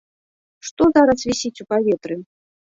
Што зараз вісіць у паветры?